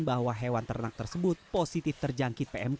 bahwa hewan ternak tersebut positif terjangkit pmk